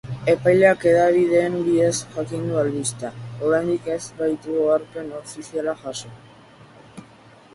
Epaileak hedabideen bidez jakin du albistea, oraindik ez baitu oharpen ofiziala jaso.